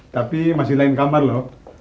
tapi masih lain kamar loh